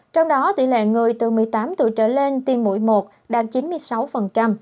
trong đó tỷ lệ người từ một mươi tám tuổi trở lên tiêm mũi một đạt chín mươi sáu